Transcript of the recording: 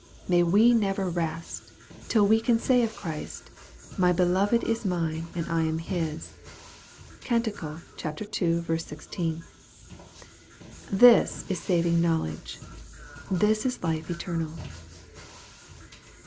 May we never rest till we can say of Christ, " My beloved is mine and I am His." (Cant. ii. 16.) This is saving knowledge. This is life eternal.